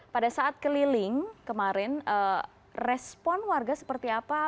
pada saat keliling kemarin respon warga seperti apa